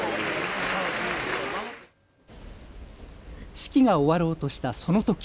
式が終わろうとしたそのとき。